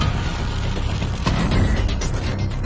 ตอนนี้ก็ไม่มีอัศวินทรีย์